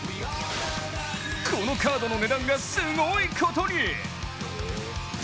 このカードの値段がすごいことに！